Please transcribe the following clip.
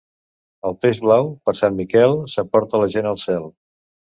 El peix blau, per Sant Miquel, s'emporta la gent al cel.